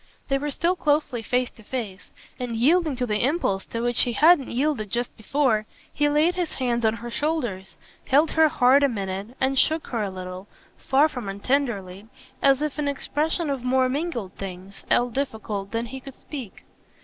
They were still closely face to face, and, yielding to the impulse to which he hadn't yielded just before, he laid his hands on her shoulders, held her hard a minute and shook her a little, far from untenderly, as if in expression of more mingled things, all difficult, than he could speak.